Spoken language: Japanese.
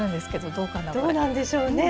どうなんでしょうね。